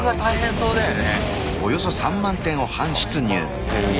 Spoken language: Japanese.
そうだね。